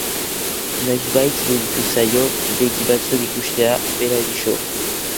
Noizbait iruditu zaio begi batzuk ikustea, berari so.